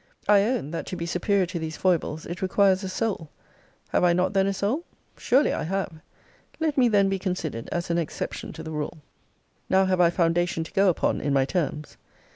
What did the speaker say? I own, that to be superior to these foibles, it requires a soul. Have I not then a soul? Surely, I have. Let me then be considered as an exception to the rule. Now have I foundation to go upon in my terms.